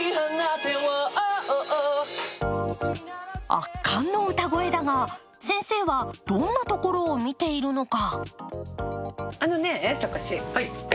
圧巻の歌声だが先生はどんなところを見ているのか。